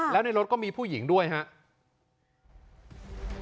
แล้วในรถก็มีผู้หญิงด้วยครับ